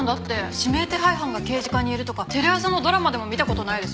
指名手配犯が刑事課にいるとかテレ朝のドラマでも見た事ないです。